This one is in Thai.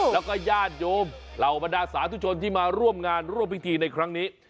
แล้วก็ญาติโยมเหล่าบรรดาสาธุชนที่มาร่วมงานร่วมพิธีในครั้งนี้